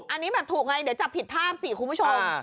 อันนี้แบบถูกไงเดี๋ยวจับผิดภาพสิคุณผู้ชม